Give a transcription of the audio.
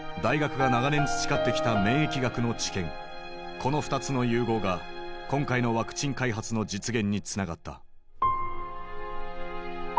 この２つの融合が今回のワクチン開発の実現につながった。